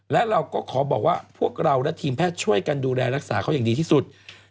และเราก็ขอบอกว่าพวกเราและทีมแพทย์ช่วยกันดูแลรักษาเขาอย่างดีที่สุด